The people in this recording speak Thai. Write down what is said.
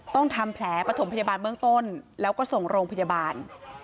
ต้องทำแผลปฐมพยาบาลเบื้องต้นแล้วก็ส่งโรงพยาบาล